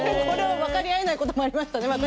分かり合えないこともありました。